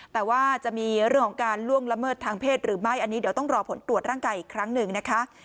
แต่ว่าจะมีเรื่องของการล่วงละเมิดทางเพศหรือไม่อันนี้เดี๋ยวต้องรอผลตรวจร่างกายอีกครั้งหนึ่งนะคะ